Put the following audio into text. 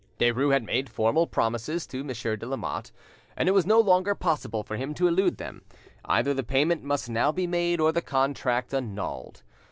Derues had made formal promises to Monsieur de Lamotte, and it was no longer possible for him to elude them. Either the payment must now be made, or the contract annulled.